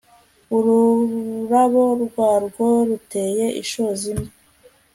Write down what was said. Ururabo rwarwo ruteye ishozi mbi